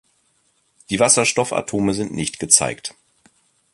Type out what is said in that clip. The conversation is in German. Die Wasserstoffatome sind nicht gezeigt.